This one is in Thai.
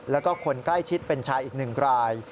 แล้วก็คนใกล้ชิดเป็นชายอีกหนึ่งราย